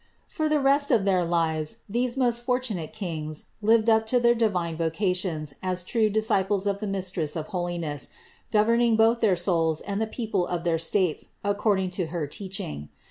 570. For the rest of their lives these most fortunate Kings lived up to their divine vocation as true disciples of the Mistress of holiness, governing both their souls and the people of their states according to her teaching.